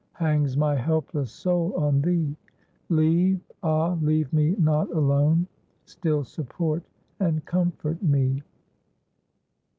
Hangs my helpless soul on Thee; Leave, ah! leave me not alone, Still support and comfort me."